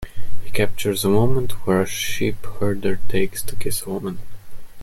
He captures a moment where a sheepherder takes to kiss a woman.